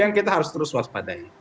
yang kita harus terus waspadai